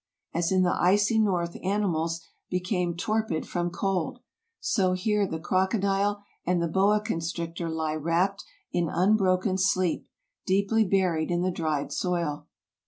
As in the icy north animals became torpid from cold, so here the crocodile and the boa constrictor He wrapped in unbroken sleep, deeply buried in the dried soil.